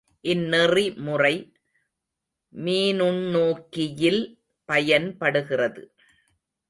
இந்நெறிமுறை மீநுண்ணோக்கியில் பயன்படுகிறது.